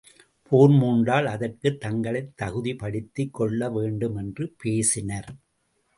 போர் மூண்டால் அதற்குத் தங்களைத் தகுதிப்படுத்திக் கொள்ள வேண்டும் என்று பேசினர்.